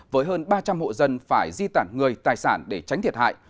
với hơn ba trăm linh hộ dân phải di tản người tài sản để tránh thiệt hại